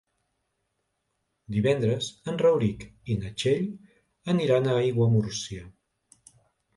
Divendres en Rauric i na Txell aniran a Aiguamúrcia.